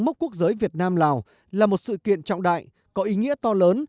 mốc quốc giới việt nam lào là một sự kiện trọng đại có ý nghĩa to lớn